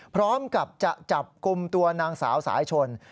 พร้อมกับจะจับกลุ่มตัวนางสาวสายชน